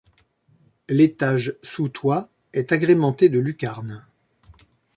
L'étage sous toit est agrémenté de lucarnes.